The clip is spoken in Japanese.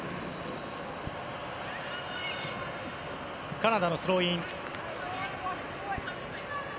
カナダのスローイン。